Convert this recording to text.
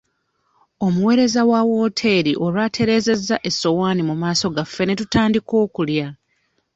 Omuweereza wa wooteri olwatereeza essowaani mu maaso gaffe ne tutandika okulya.